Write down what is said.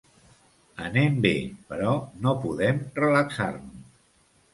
Anem bé, però no podem relaxar-nos.